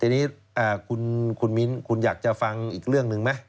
ทีนี้คุณมิ้นคุณอยากจะฟังอีกเรื่องหนึ่งไหม